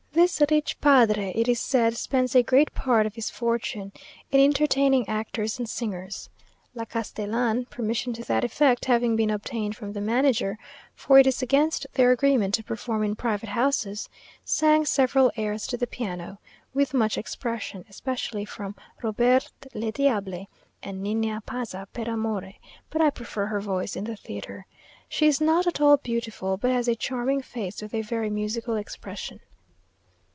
This rich padre, it is said, spends a great part of his fortune in entertaining actors and singers. La Castellan (permission to that effect having been obtained from the manager, for it is against their agreement to perform in private houses) sang several airs to the piano, with much expression, especially from Robert le Díable; and Nina Pazza per Amore; but I prefer her voice in the theatre. She is not at all beautiful, but has a charming face with a very musical expression.